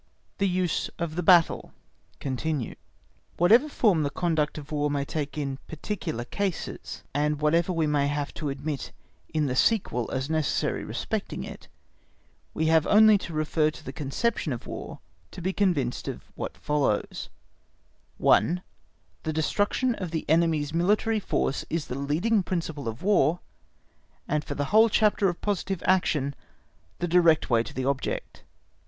The Use of the Battle Whatever form the conduct of War may take in particular cases, and whatever we may have to admit in the sequel as necessary respecting it: we have only to refer to the conception of War to be convinced of what follows: 1. The destruction of the enemy's military force, is the leading principle of War, and for the whole chapter of positive action the direct way to the object.